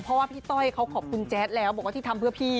เพราะว่าพี่ต้อยเขาขอบคุณแจ๊ดแล้วบอกว่าที่ทำเพื่อพี่